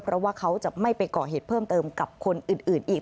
เพราะว่าเขาจะไม่ไปก่อเหตุเพิ่มเติมกับคนอื่นอีก